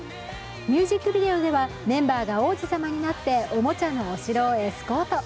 ミュージックビデオでは、メンバーが王子様になっておもちゃのお城をエスコート。